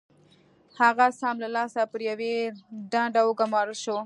هغه سم له لاسه پر يوه دنده وګومارل شو.